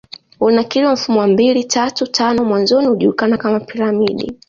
ulinakiliwa Mfumo wa mbili tatu tano mwanzoni ulijulikana kama Piramidi